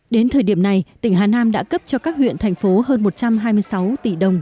đến thời điểm này tỉnh hà nam đã cấp cho các huyện thành phố hơn một trăm hai mươi sáu tỷ đồng